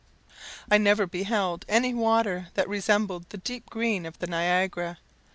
I never beheld any water that resembled the deep green of the Niagara.